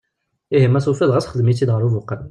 Ihi ma tufiḍ ɣas xdem-itt-id ɣer ubuqal.